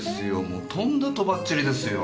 もうとんだとばっちりですよ。